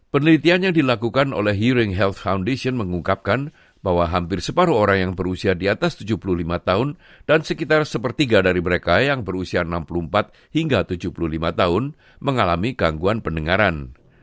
penelitian yang dilakukan oleh hearing health foundation mengungkapkan bahwa hampir separuh orang yang berusia di atas tujuh puluh lima tahun dan sekitar sepertiga dari mereka yang berusia enam puluh empat hingga tujuh puluh lima tahun mengalami gangguan pendengaran